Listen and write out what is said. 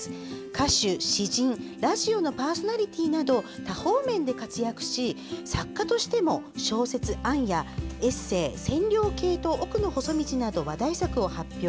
歌手、詩人ラジオのパーソナリティーなど多方面で活躍し、作家としても小説「あん」やエッセー「線量計と奥の細道」など話題作を発表。